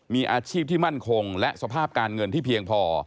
มีอาชีพที่มั่นคงและสภาพการเงินที่เพียงพอ